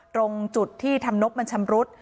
ตรงจุดที่ทำนบมันชำรุด